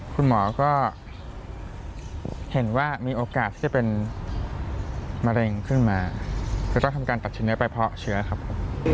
คุณหมอก็เห็นว่ามีโอกาสที่จะเป็นมะเร็งขึ้นมาจะต้องทำการตัดชิ้นเนื้อไปเพราะเชื้อครับผม